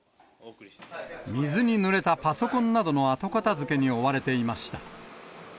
水にぬれたパソコンなどの後片づけに追われていました。